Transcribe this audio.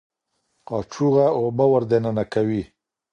قاچوغه اوبه ور دننه کوي.